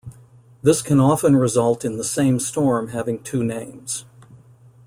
This can often result in the same storm having two names.